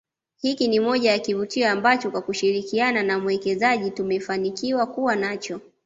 Hiki ni moja ya kivutio ambacho kwa kushirikiana na mwekezaji tumefanikiwa kuwa nacho